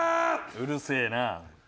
うるせえな。